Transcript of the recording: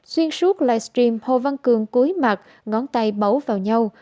xuyên suốt livestream hồ văn cường cúi mặt ngón tay bấu vào nhau